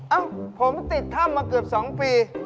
เอ้าผมติดถ้ำมาเกือบ๒ปี